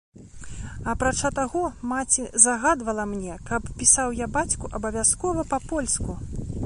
Апрача таго, маці загадвала мне, каб пісаў я бацьку абавязкова па-польску.